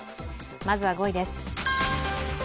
まずは５位です。